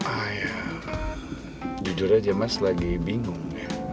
ah ya jujur aja mas lagi bingung